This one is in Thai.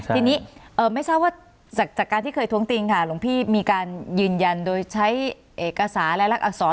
ทีนี้ไม่ทราบว่าจากการที่เคยท้วงติงค่ะหลวงพี่มีการยืนยันโดยใช้เอกสารและรักอักษร